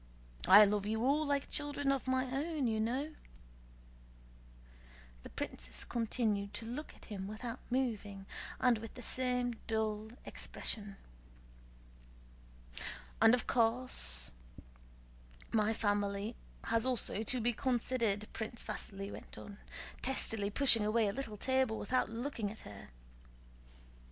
I love you all, like children of my own, as you know." The princess continued to look at him without moving, and with the same dull expression. "And then of course my family has also to be considered," Prince Vasíli went on, testily pushing away a little table without looking at her.